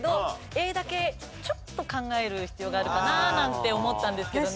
Ａだけちょっと考える必要があるかななんて思ったんですけどね。